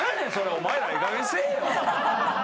お前らええかげんにせえよ！